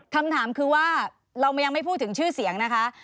คำถามคือว่าเรายังไม่พูดถึงชื่อเสียงนะคะ